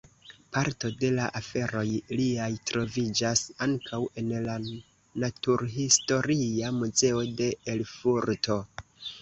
Parto de aferoj liaj troviĝas ankaŭ en la Naturhistoria Muzeo de Erfurto.